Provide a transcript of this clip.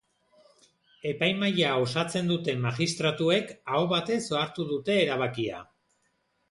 Epai-mahaia osatzen duten magistratuek aho batez hartu dute erabakia.